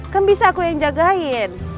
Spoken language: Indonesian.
kan bisa aku yang jagain